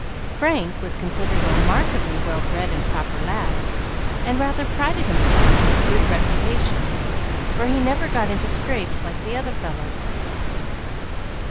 Frank was considered a remarkably well bred and proper lad, and rather prided himself on his good reputation, for he never got into scrapes like the other fellows.